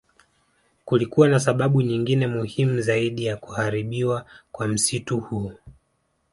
Kulikuwa na sababu nyingine muhimu zaidi za kuharibiwa kwa msitu huo